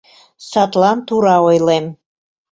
Садлан тура ойлем.